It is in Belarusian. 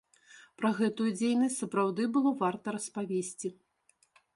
Пра гэтую дзейнасць сапраўды было варта распавесці.